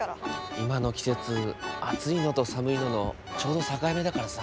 今の季節暑いのと寒いののちょうど境目だからさ。